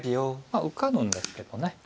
まあ受かるんですけどね。